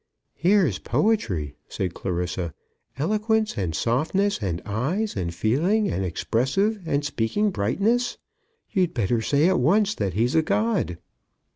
"Here's poetry," said Clarissa. "Eloquence, and softness, and eyes, and feeling, and expressive and speaking brightness! You'd better say at once that he's a god."